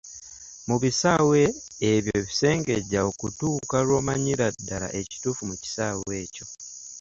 Mu bisaawe ebyo sengejja okutuuka lw’omanyira ddala ekituufu mu kisaawe ekyo.